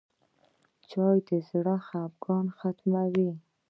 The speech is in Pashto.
چای د زړه خفګان ختموي.